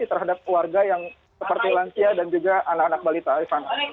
jadi terhadap warga yang seperti lansia dan juga anak anak balita rifana